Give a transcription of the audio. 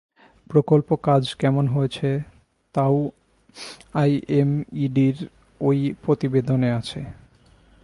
প্রকল্প কাজ কেমন হয়েছে তাও আইএমইডির ওই প্রতিবেদনে আছে।